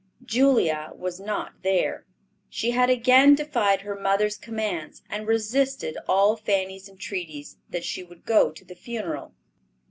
Julia was not there. She had again defied her mother's commands, and resisted all Fanny's entreaties, that she would go to the funeral.